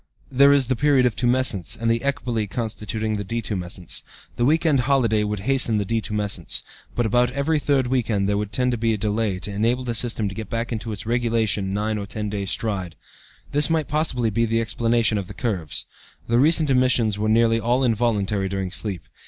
There is the period of tumescence, and the ecbole constituting the detumescence. The week end holiday would hasten the detumescence, but about every third week end there would tend to be delay to enable the system to get back into its regulation nine or ten days' stride. This might possibly be the explanation of the curves. The recent emissions were nearly all involuntary during sleep.